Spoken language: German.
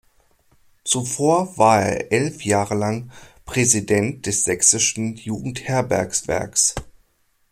Zuvor war er elf Jahre lang Präsident des sächsischen Jugendherbergswerks.